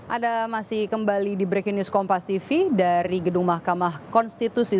anda masih kembali di breaking news kompas tv dari gedung mahkamah konstitusi